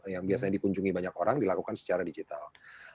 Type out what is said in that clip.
yang biasanya dikunjungi banyak orang dilakukan secara digital